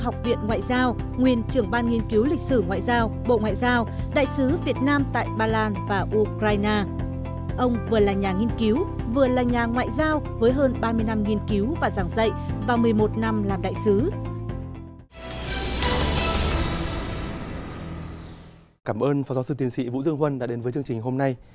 cảm ơn phó giáo sư tiến sĩ vũ dương huân đã đến với chương trình hôm nay